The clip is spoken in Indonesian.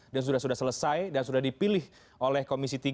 dan sudah sudah selesai dan sudah dipilih oleh komisi tiga